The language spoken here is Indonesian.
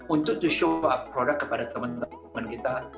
untuk menunjukkan produk kepada teman teman kita